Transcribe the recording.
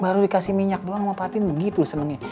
baru dikasih minyak doang sama patin gitu senengnya